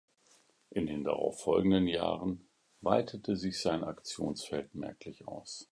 In den darauf folgenden Jahren weitete sich sein Aktionsfeld merklich aus.